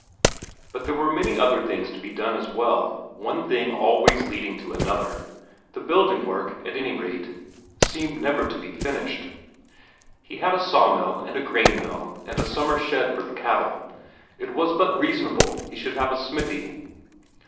But there were many other things to be done as well, one thing always leading to another; the building work, at any rate, seemed never to be finished. He had a sawmill and a cornmill and a summer shed for the cattle; it was but reasonable he should have a smithy.